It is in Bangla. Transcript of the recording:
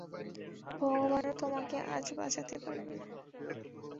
ভগবানও তোমাকে আজ বাঁচতে পারবে না!